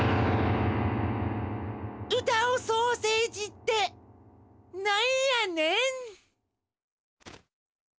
うたうソーセージってなんやねん？